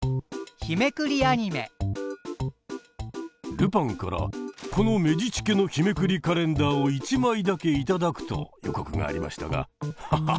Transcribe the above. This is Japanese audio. ルパンからこのメディチ家の日めくりカレンダーを一枚だけ頂くと予告がありましたがハハハ